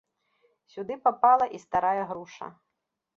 Сюды папала і старая груша.